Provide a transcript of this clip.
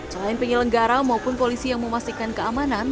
selain penyelenggara maupun polisi yang memastikan keamanan